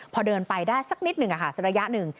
พอเดินไปได้สักนิดหนึ่งสักระยะหนึ่ง